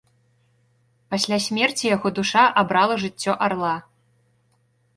Пасля смерці яго душа абрала жыццё арла.